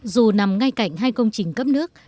dù nằm ngay cạnh hai công trình cấp nước